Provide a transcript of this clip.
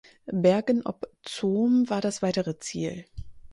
Bergen op Zoom war das weitere Ziel.